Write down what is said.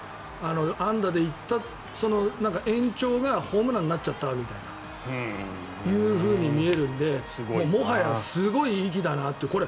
安打で行った延長がホームランになっちゃったみたいに見えるのでもはや、すごい域だなという。